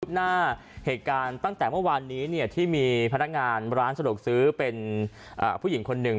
หน้าเหตุการณ์ตั้งแต่เมื่อวานนี้ที่มีพนักงานร้านสะดวกซื้อเป็นผู้หญิงคนหนึ่ง